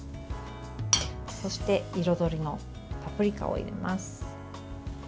そして彩りのパプリカを入れます。